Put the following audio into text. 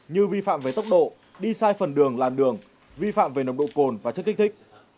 như vi phạm về tốc độ đi sai phần đường làn đường vi phạm về nồng độ cồn và chất kích thích